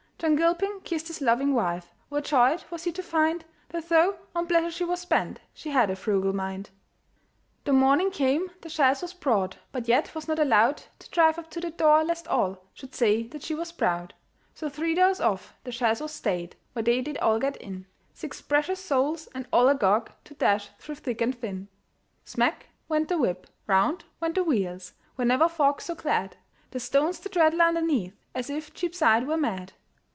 John Gilpin kissed his loving wife. O'erjoyed was he to find. That though on pleasure she was bent, She had a frugal mind. The morning came, the chaise was brought, But yet was not allowed To drive up to the door, lest all Should say that she was proud. So three doors off the chaise was stayed, Where they did all get in; Six precious souls, and all agog To dash through thick and thin. Smack went the whip, round went the wheels, Were never folks so glad! The stones did rattle underneath, As if Cheapside were mad.